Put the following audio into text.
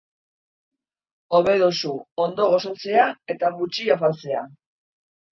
Hobe duzu ondo gosaltzea eta gutxi afaltzea.